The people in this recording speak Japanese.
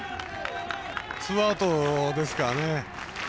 ツーアウトですからね。